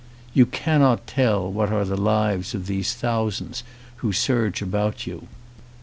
You cannot tell what are the lives of these thou sands who surge about you.